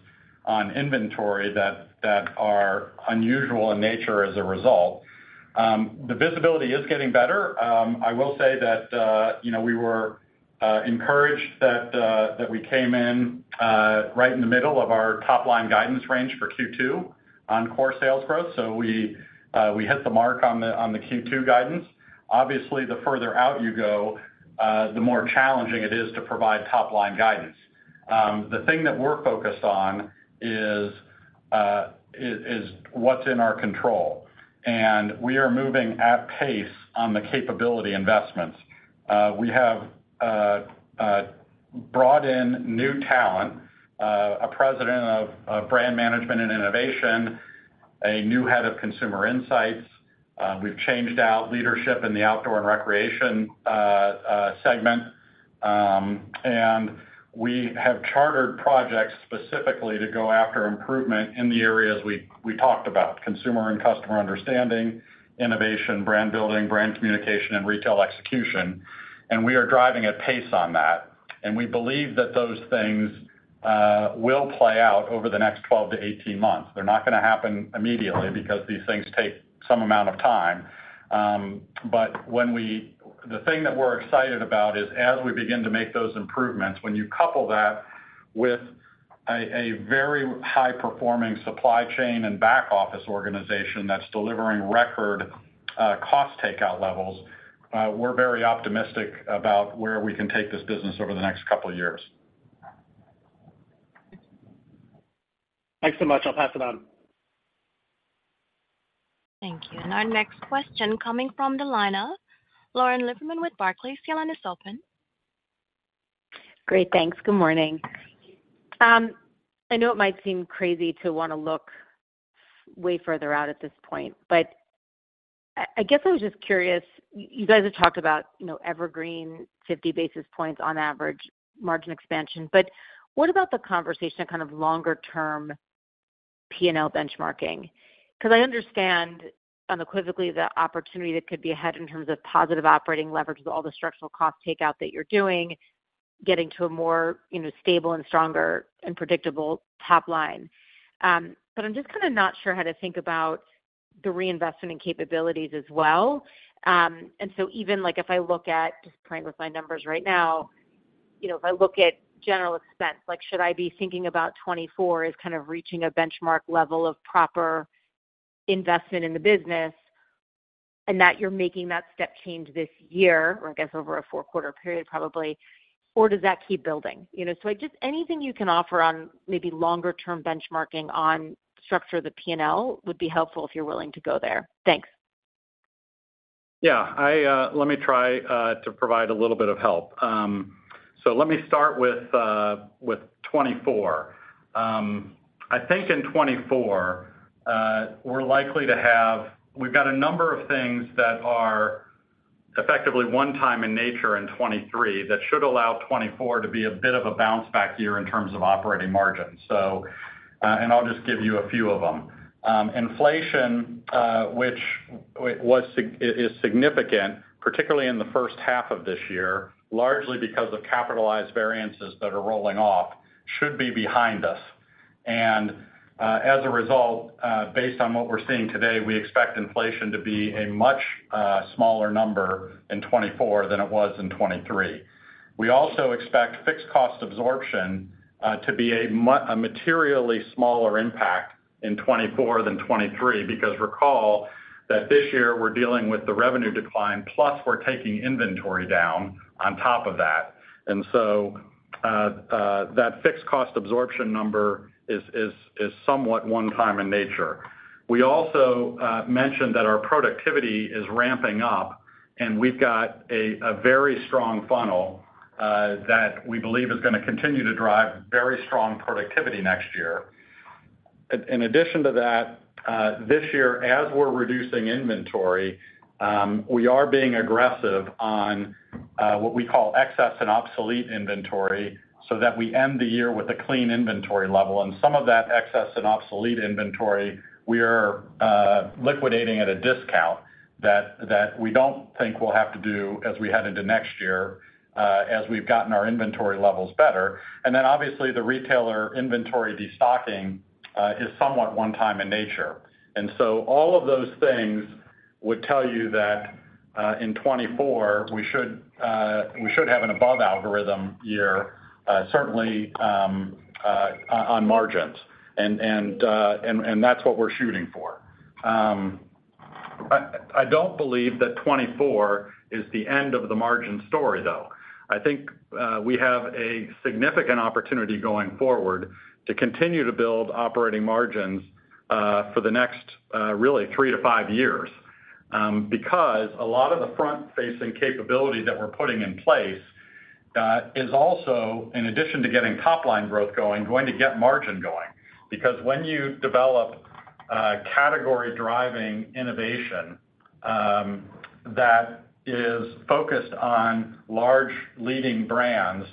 on inventory that, that are unusual in nature as a result. The visibility is getting better. I will say that, you know, we were encouraged that we came in right in the middle of our top line guidance range for Q2 on core sales growth. We hit the mark on the, on the Q2 guidance. Obviously, the further out you go, the more challenging it is to provide top line guidance. The thing that we're focused on is what's in our control, and we are moving at pace on the capability investments. We have brought in new talent, a president of brand management and innovation, a new head of consumer insights. We've changed out leadership in the Outdoor & Recreation segment. We have chartered projects specifically to go after improvement in the areas we talked about: consumer and customer understanding, innovation, brand building, brand communication, and retail execution. We are driving at pace on that, and we believe that those things will play out over the next 12 to 18 months. They're not gonna happen immediately because these things take some amount of time. The thing that we're excited about is, as we begin to make those improvements, when you couple that with a, a very high-performing supply chain and back office organization that's delivering record, cost takeout levels, we're very optimistic about where we can take this business over the next couple of years. Thanks so much. I'll pass it on. Thank you. Our next question coming from the line of Lauren Lieberman with Barclays. Your line is open. Great, thanks. Good morning. I know it might seem crazy to want to look way further out at this point, but I, I guess I was just curious. You guys have talked about, you know, evergreen, 50 basis points on average margin expansion, but what about the conversation on kind of longer-term P&L benchmarking? Because I understand unequivocally the opportunity that could be ahead in terms of positive operating leverage with all the structural cost takeout that you're doing. Getting to a more, you know, stable and stronger and predictable top line. I'm just kind of not sure how to think about the reinvestment in capabilities as well. So even, like, if I look at, just playing with my numbers right now, you know, if I look at general expense, like, should I be thinking about 2024 as kind of reaching a benchmark level of proper investment in the business, and that you're making that step change this year, or I guess over a 4-quarter period, probably, or does that keep building? You know, just anything you can offer on maybe longer-term benchmarking on structure of the P&L would be helpful if you're willing to go there. Thanks. Yeah, I, let me try to provide a little bit of help. Let me start with 2024. I think in 2024, we're likely to have-- we've got a number of things that are effectively one time in nature in 2023, that should allow 2024 to be a bit of a bounce back year in terms of operating margins. I'll just give you a few of them. Inflation, which was, is, is significant, particularly in the H1 of this year, largely because of capitalized variances that are rolling off, should be behind us. As a result, based on what we're seeing today, we expect inflation to be a much smaller number in 2024 than it was in 2023. We also expect fixed cost absorption to be a materially smaller impact in 2024 than 2023, because recall that this year we're dealing with the revenue decline, plus we're taking inventory down on top of that. That fixed cost absorption number is, is, is somewhat one time in nature. We also mentioned that our productivity is ramping up, and we've got a very strong funnel that we believe is gonna continue to drive very strong productivity next year. In addition to that, this year, as we're reducing inventory, we are being aggressive on what we call excess and obsolete inventory, so that we end the year with a clean inventory level. Some of that excess and obsolete inventory, we are liquidating at a discount that, that we don't think we'll have to do as we head into next year, as we've gotten our inventory levels better. Then, obviously, the retailer inventory destocking is somewhat one-time in nature. So all of those things would tell you that in 2024, we should have an above algorithm year, certainly on margins. And, and that's what we're shooting for. I don't believe that 2024 is the end of the margin story, though. I think we have a significant opportunity going forward to continue to build operating margins for the next really three to five years. Because a lot of the front-facing capability that we're putting in place, is also, in addition to getting top-line growth going, going to get margin going. Because when you develop a category-driving innovation, that is focused on large leading brands,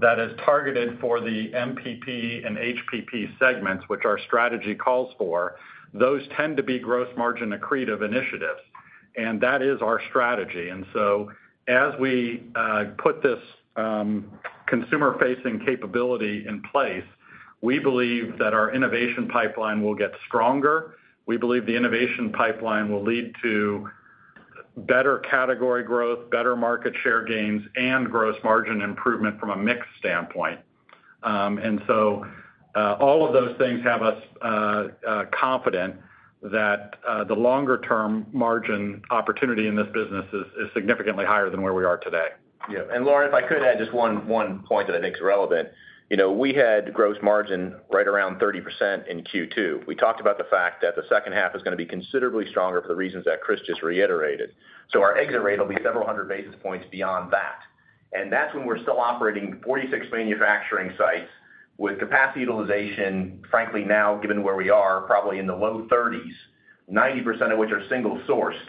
that is targeted for the MPP and HPP segments, which our strategy calls for, those tend to be gross margin accretive initiatives, and that is our strategy. As we put this, consumer-facing capability in place, we believe that our innovation pipeline will get stronger. We believe the innovation pipeline will lead to better category growth, better market share gains, and gross margin improvement from a mix standpoint. All of those things have us confident that the longer-term margin opportunity in this business is, is significantly higher than where we are today. Yeah, Lauren, if I could add just one, one point that I think is relevant. You know, we had gross margin right around 30% in Q2. We talked about the fact that the H2 is gonna be considerably stronger for the reasons that Chris just reiterated. Our exit rate will be several hundred basis points beyond that. That's when we're still operating 46 manufacturing sites with capacity utilization, frankly, now, given where we are, probably in the low 30s, 90% of which are single-sourced,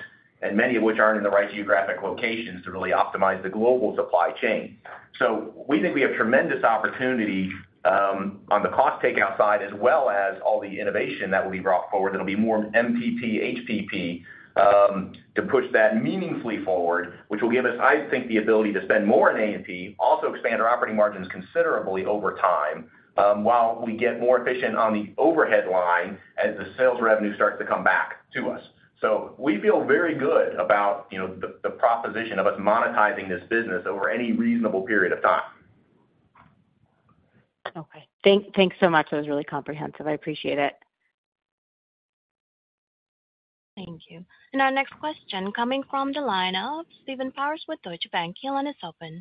and many of which aren't in the right geographic locations to really optimize the global supply chain. We think we have tremendous opportunity on the cost takeout side, as well as all the innovation that will be brought forward. It'll be more MPP, HPP, to push that meaningfully forward, which will give us, I think, the ability to spend more in A&P, also expand our operating margins considerably over time, while we get more efficient on the overhead line as the sales revenue starts to come back to us. We feel very good about, you know, the, the proposition of us monetizing this business over any reasonable period of time. Okay. Thanks so much. That was really comprehensive. I appreciate it. Thank you. Our next question coming from the line of Stephen Powers with Deutsche Bank. Your line is open.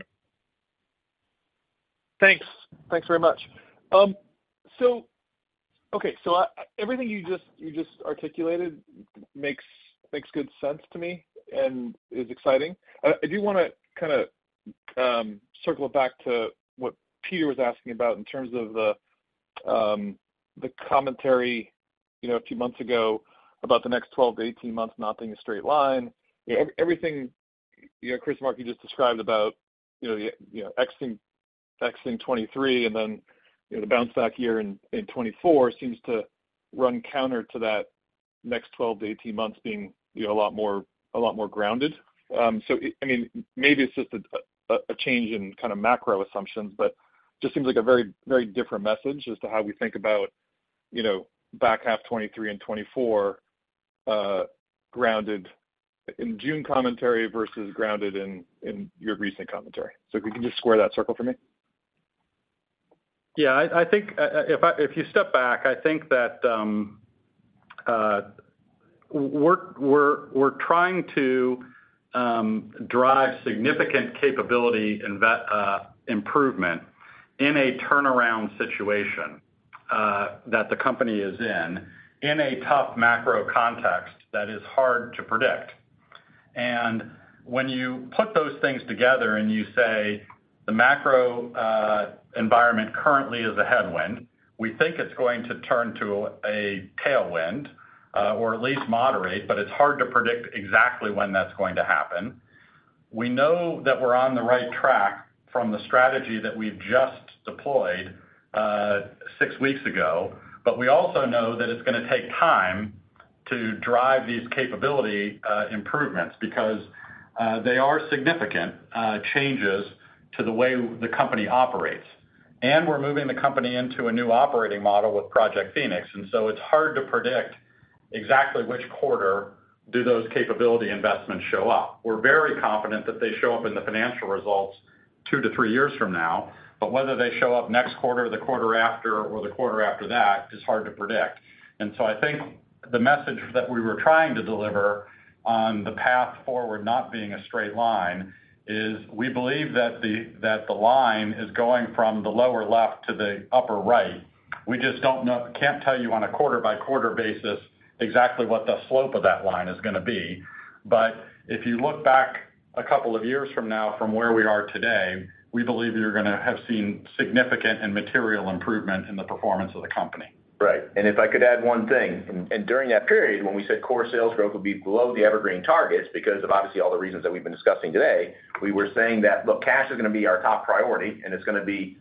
Thanks. Thanks very much. Okay, so, everything you just, you just articulated makes, makes good sense to me and is exciting. I, I do wanna kinda, circle it back to what Peter was asking about in terms of the commentary, you know, a few months ago about the next 12 to 18 months not being a straight line. Everything, you know, Chris and Mark, you just described about, you know, the, you know, exiting, exiting 2023, and then, you know, the bounce back year in, in 2024 seems to run counter to that. Next 12 to 18 months being, you know, a lot more, a lot more grounded. I mean, maybe it's just a, a, a change in kind of macro assumptions, but just seems like a very, very different message as to how we think about, you know, back half 2023 and 2024, grounded in June commentary versus grounded in, in your recent commentary. If you can just square that circle for me? Yeah, I, I think, if you step back, I think that we're, we're, we're trying to drive significant capability and improvement in a turnaround situation that the company is in, in a tough macro context that is hard to predict. When you put those things together, and you say, the macro environment currently is a headwind, we think it's going to turn to a tailwind, or at least moderate, but it's hard to predict exactly when that's going to happen. We know that we're on the right track from the strategy that we've just deployed, six weeks ago, but we also know that it's gonna take time to drive these capability improvements because they are significant changes to the way the company operates. We're moving the company into a new operating model with Project Phoenix, it's hard to predict exactly which quarter do those capability investments show up. We're very confident that they show up in the financial results 2 to 3 years from now, but whether they show up next quarter, or the quarter after, or the quarter after that, is hard to predict. I think the message that we were trying to deliver on the path forward not being a straight line, is we believe that the, that the line is going from the lower left to the upper right. We just don't know- can't tell you on a quarter-by-quarter basis, exactly what the slope of that line is gonna be. If you look back a couple of years from now from where we are today, we believe you're gonna have seen significant and material improvement in the performance of the company. Right. If I could add one thing, during that period, when we said core sales growth would be below the Evergreen targets, because of obviously all the reasons that we've been discussing today, we were saying that, look, cash is gonna be our top priority, and it's gonna be,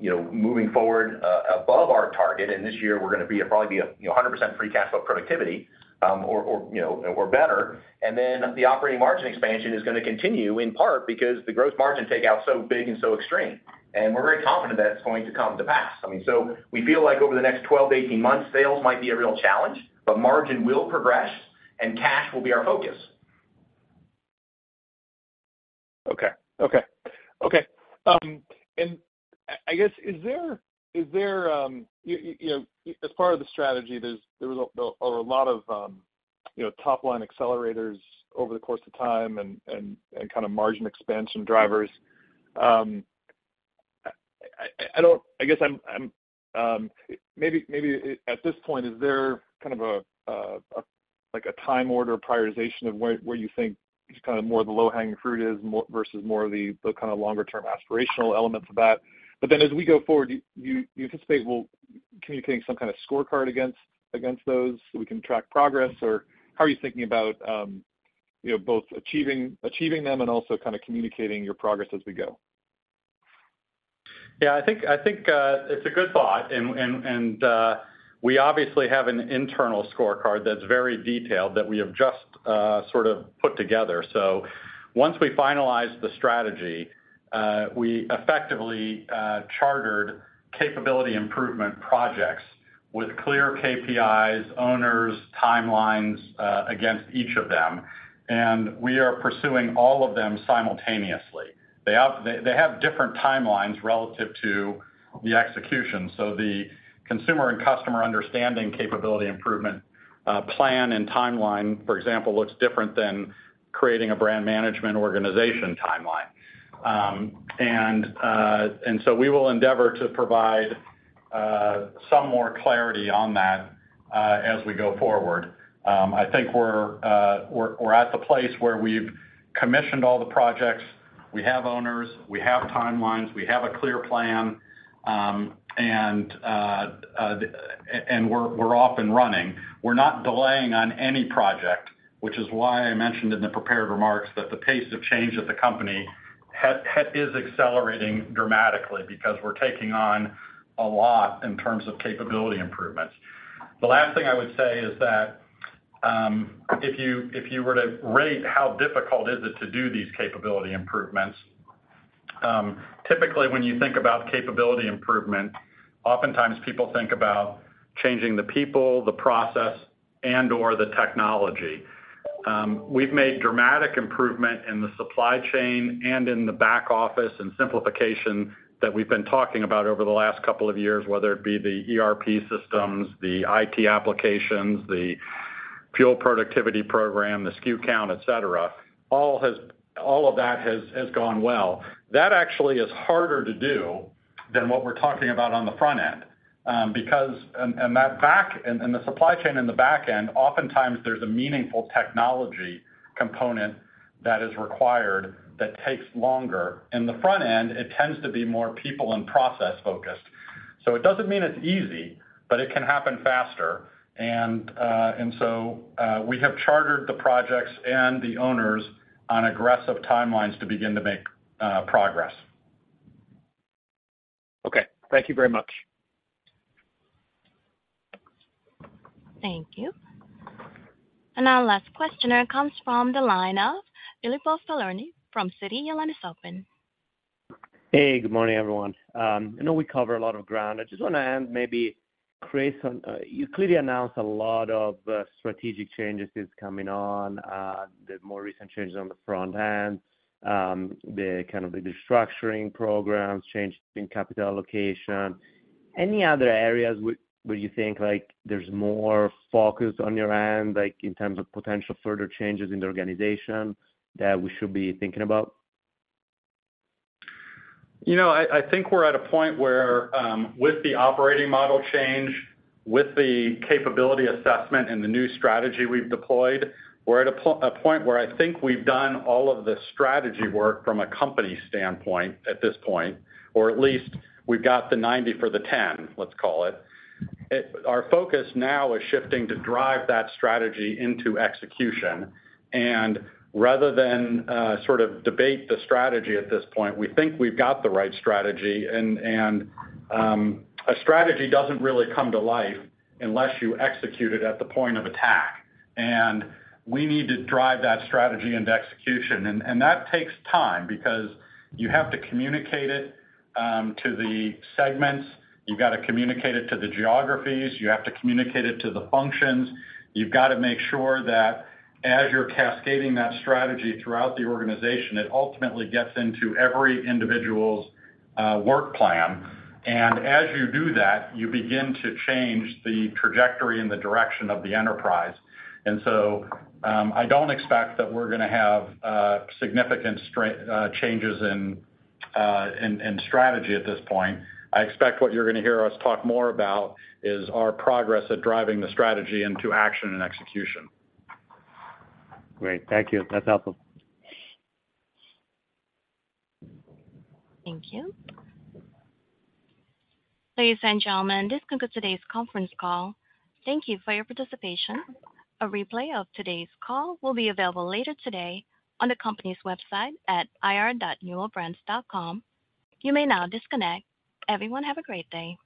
you know, moving forward, above our target. This year, we're gonna be, it'll probably be, you know, 100% free cash flow productivity, or, you know, or better. Then the operating margin expansion is gonna continue, in part because the gross margin takeout's so big and so extreme. We're very confident that's going to come to pass. I mean, we feel like over the next 12-18 months, sales might be a real challenge, but margin will progress and cash will be our focus. Okay, okay. Okay, I, I guess, is there, is there, you know, as part of the strategy, are a lot of, you know, top-line accelerators over the course of time and, and, and kind of margin expansion drivers. I, I, I guess I'm, I'm, maybe, maybe at, at this point, is there kind of a, a, a, like a time order prioritization of where, where you think just kind of more of the low-hanging fruit is versus more of the, the kind of longer-term aspirational elements of that? Then as we go forward, do you, you anticipate we'll communicating some kind of scorecard against, against those, so we can track progress? How are you thinking about, you know, both achieving, achieving them and also kind of communicating your progress as we go? Yeah, I think, I think it's a good thought, and we obviously have an internal scorecard that's very detailed, that we have just sort of put together. Once we finalized the strategy, we effectively chartered capability improvement projects with clear KPIs, owners, timelines, against each of them, and we are pursuing all of them simultaneously. They have different timelines relative to the execution. The consumer and customer understanding capability improvement plan and timeline, for example, looks different than creating a brand management organization timeline. We will endeavor to provide some more clarity on that as we go forward. I think we're at the place where we've commissioned all the projects. We have owners, we have timelines, we have a clear plan, and we're, we're off and running. We're not delaying on any project, which is why I mentioned in the prepared remarks that the pace of change at the company has is accelerating dramatically, because we're taking on a lot in terms of capability improvements. The last thing I would say is that, if you, if you were to rate how difficult is it to do these capability improvements, typically, when you think about capability improvement, oftentimes people think about changing the people, the process, and/or the technology. We've made dramatic improvement in the supply chain and in the back office, and simplification that we've been talking about over the last couple of years, whether it be the ERP systems, the IT applications, the FUEL productivity program, the SKU count, et cetera. All of that has gone well. That actually is harder to do than what we're talking about on the front end, because the supply on the back end oftentimes there's a meaningful technology component that is required that takes longer. In the front end, it tends to be more people and process-focused. So it doesn't mean it's easy, but it can happen faster. We have chartered the projects and the owners on aggressive timelines to begin to make progress. Thank you very much. Thank you. Our last question comes from the line of Filippo Falorni from Citi. Your line is open. Hey, good morning, everyone. I know we cover a lot of ground. I just wanna add maybe, Chris, on, you clearly announced a lot of strategic changes that's coming on, the more recent changes on the front end, the kind of the restructuring programs, changes in capital allocation. Any other areas where, where you think, like, there's more focus on your end, like, in terms of potential further changes in the organization that we should be thinking about? You know, I, I think we're at a point where, with the operating model change, with the capability assessment and the new strategy we've deployed, we're at a point where I think we've done all of the strategy work from a company standpoint at this point, or at least we've got the 90 for the 10, let's call it. Our focus now is shifting to drive that strategy into execution. Rather than sort of debate the strategy at this point, we think we've got the right strategy, and a strategy doesn't really come to life unless you execute it at the point of attack. We need to drive that strategy into execution. That takes time because you have to communicate it to the segments. You've got to communicate it to the geographies. You have to communicate it to the functions. You've got to make sure that as you're cascading that strategy throughout the organization, it ultimately gets into every individual's work plan. As you do that, you begin to change the trajectory and the direction of the enterprise. I don't expect that we're gonna have significant changes in strategy at this point. I expect what you're gonna hear us talk more about is our progress at driving the strategy into action and execution. Great. Thank you. That's helpful. Thank you. Ladies and gentlemen, this concludes today's conference call. Thank you for your participation. A replay of today's call will be available later today on the company's website at ir.newellbrands.com. You may now disconnect. Everyone, have a great day.